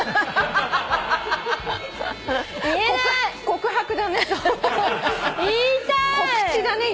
告白だね。